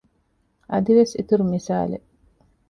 އަދިވެސް އިތުރު މިސާލެއް